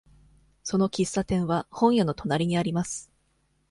その喫茶店は本屋の隣にあります。